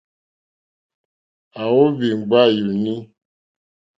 À wóhwì ŋɡbá yùùní.